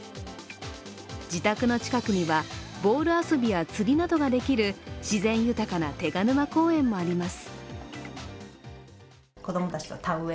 自宅の近くにはボール遊びや釣りなどができる自然豊かな手賀沼公園もあります。